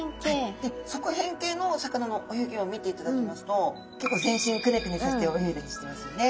側扁形の魚の泳ぎを見ていただきますと結構全身クネクネさせて泳いだりしてますよね。